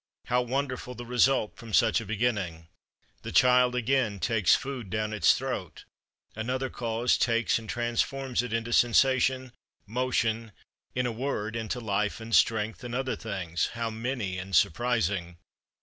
How wonderful the result from such a beginning! The child, again, takes food down its throat; another cause takes and transforms it into sensation, motion, in a word into life and strength and other things, how many and surprising!